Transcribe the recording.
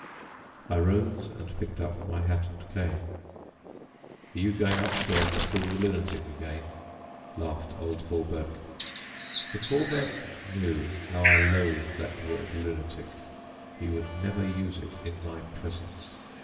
I rose and picked up my hat and cane. "Are you going upstairs to see the lunatic again?" laughed old Hawberk. If Hawberk knew how I loathe that word "lunatic," he would never use it in my presence.